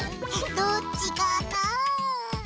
どっちかな？